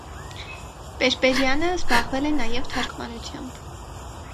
Պերպերյանը զբաղվել է նաև թարգմանությամբ։